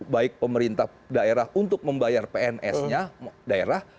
baik pemerintah daerah untuk membayar pns nya daerah